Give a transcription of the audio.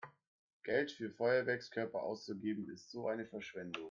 Geld für Feuerwerkskörper auszugeben ist so eine Verschwendung!